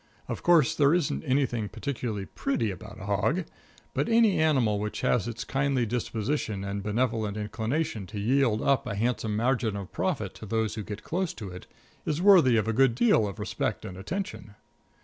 Of course, there isn't anything particularly pretty about a hog, but any animal which has its kindly disposition and benevolent inclination to yield up a handsome margin of profit to those who get close to it, is worthy of a good deal of respect and attention.